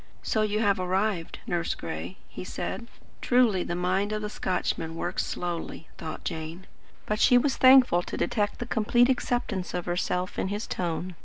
"So you have arrived, Nurse Gray," he said. "Truly the mind of a Scotchman works slowly," thought Jane, but she was thankful to detect the complete acceptance of herself in his tone.